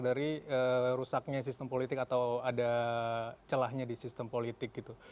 dari rusaknya sistem politik atau ada celahnya di sistem politik gitu